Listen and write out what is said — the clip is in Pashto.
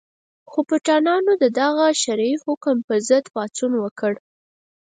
خو پټانانو د دغه شرعي حکومت په ضد پاڅون وکړ.